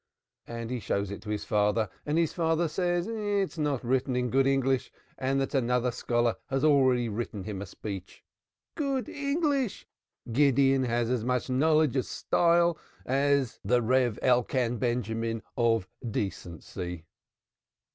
And he shows it to his father, and his father says it is not written in good English, and that another scholar has already written him a speech. Good English! Gideon has as much knowledge or style as the Rev. Elkan Benjamin of decency.